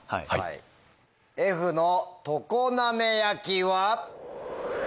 Ｆの常滑焼は？